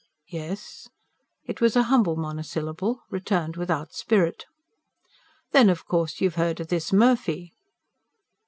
"Yes." It was a humble monosyllable, returned without spirit. "Then of course you've heard of this Murphy?"